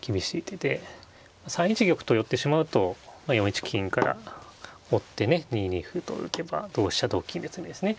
３一玉と寄ってしまうと４一金から追ってね２二歩と打てば同飛車同金で詰みですね。